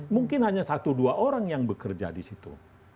mungkin hanya satu dua orang yang bekerja di situ